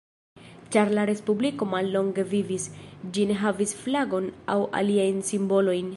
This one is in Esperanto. Ĉar la respubliko mallonge vivis, ĝi ne havis flagon aŭ aliajn simbolojn.